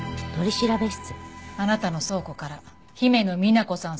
あなたの倉庫から姫野美那子さん